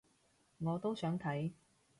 我都想睇